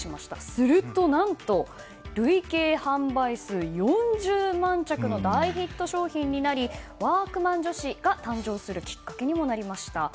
すると、何と累計販売数４０万着の大ヒット商品になりワークマン女子が誕生するきっかけにもなりました。